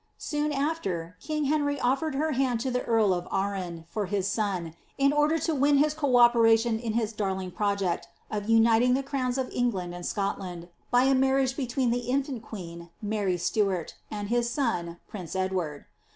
Soon afier, king Henry : flfered her hand to the earl of Arran for his son, in order to win his co operation in his darling project of uniting the crowns of England and Scodand by a marriage between the infant queen, Mary Stuart, and his * xi prince Edward.